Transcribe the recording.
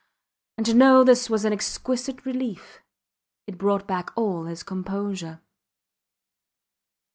And to know this was an exquisite relief: it brought back all his composure.